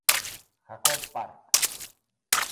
Jakob Park.